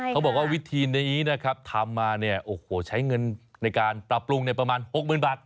เขาบอกว่าวิธีนี้นะครับทำมาเนี่ยโอ้โหใช้เงินในการปรับปรุงประมาณ๖๐๐๐บาท